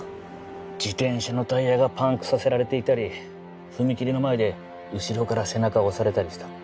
自転車のタイヤがパンクさせられていたり踏切の前で後ろから背中押されたりした。